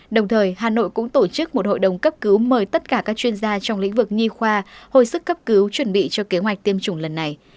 đồng thời hà nội cũng tổ chức một hội đồng cấp cứu mời tất cả các chuyên gia trong lĩnh vực nhi khoa hồi sức cấp cứu chuẩn bị cho kế hoạch tiêm chủng lần này